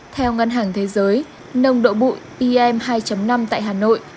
theo ngân hàng thế giới nồng độ bụi pm hai năm tại hà nội